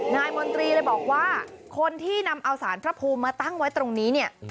มนตรีเลยบอกว่าคนที่นำเอาสารพระภูมิมาตั้งไว้ตรงนี้เนี่ย